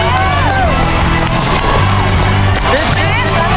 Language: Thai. มันตายมาหลายปีแล้ว